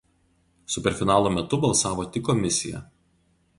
Superfinalo metu balsavo tik komisija.